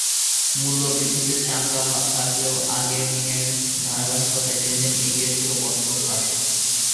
মূল্যবৃদ্ধিতে চাঙা ভাব থাকলেও আগের দিনের ধারাবাহিকতায় লেনদেনে এগিয়ে ছিল বস্ত্র খাত।